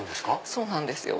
そうなんですよ。